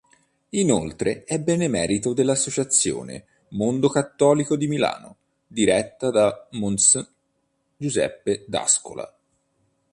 Inoltre è benemerito dell'Associazione Mondo Cattolico di Milano, diretta da mons. Giuseppe d'Ascola.